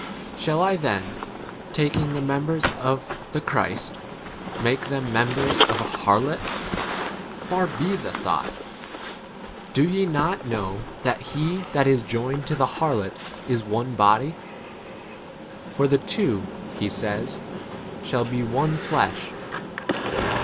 Shall I then, taking the members of the Christ, make [them] members of a 16 harlot? Far be the thought. Do ye not know that he [that is] joined to the harlot is one body ? for the two, he says, shall be one fiesh.